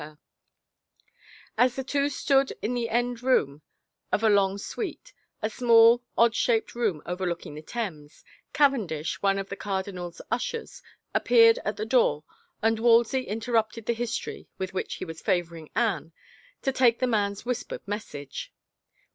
70 THE INTERVIEW • As the two stood in the end room of a long suite, a small, odd shaped room overlooking the Thames, Caven dish, one of the cardinal's ushers, appeared at the door, and Wolsey interrupted the history with which he was favoring Anne to take the man's whispered message.